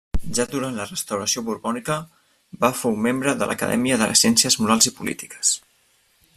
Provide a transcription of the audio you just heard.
Ja durant la restauració borbònica, va fou membre de l'Acadèmia de Ciències Morals i Polítiques.